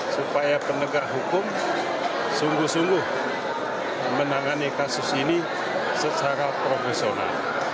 supaya penegak hukum sungguh sungguh menangani kasus ini secara profesional